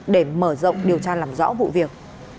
để mở rộng điều tra làm rõ vụ việc